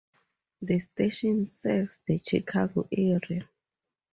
The station serves the Chicago area.